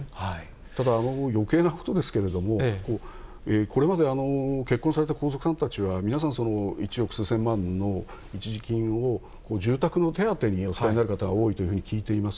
ただ、よけいなことですけれども、これまで結婚された皇族さんたちは、皆さん、一億数千万の一時金を住宅の手当にお使いになる方が多いと聞いています。